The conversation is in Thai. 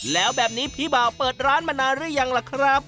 แล้วแบบนี้พี่บ่าวเปิดร้านมานานหรือยังล่ะครับ